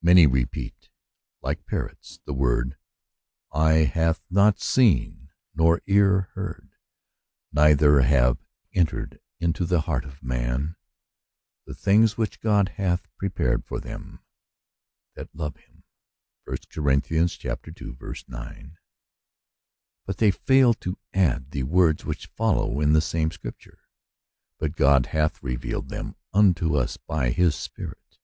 Many repeat, like parrots, the word, "Eye hath not seen, nor ear heard, neither have entered into the heart of man, the things which God hath prepared for them that love him'* (i Cor. ii. 9); but they fail to add the words which follow in the same Scripture, "but God hath revealed them unto us by his Spirit.